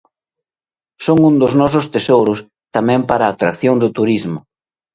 Son un dos nosos tesouros tamén para a atracción do turismo.